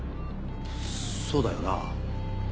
そうだよな。